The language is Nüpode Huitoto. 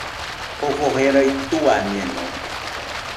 Jofo jerai tuañeno